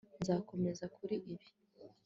nzakomeza kuri ibi